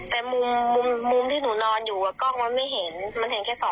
แต่มุมที่หนูนอนอยู่กล้องมันไม่เห็น